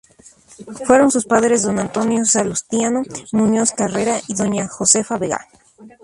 Fueron sus padres Don Antonio Salustiano Muñoz Carrera y Doña Josefa Vega.